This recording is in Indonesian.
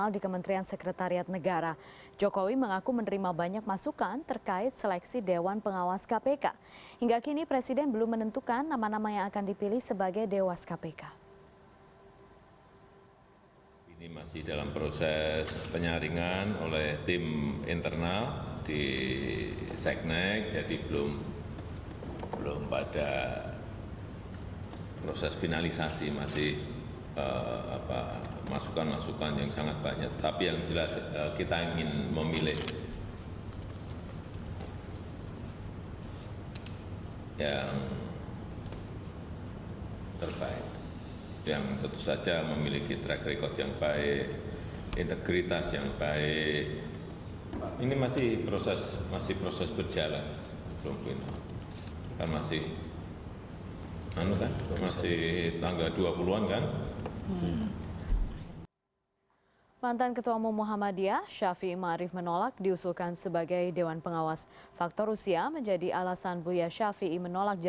di seknek jadi belum pada proses finalisasi masih masukan masukan yang sangat banyak